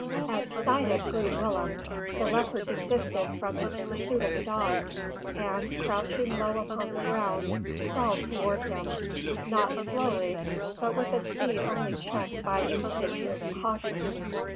At sight of Groot Willem, the leopard desisted from its pursuit of the dogs; and, crouching low upon the ground, crawled towards him, not slowly, but with a speed only checked by instinctive caution.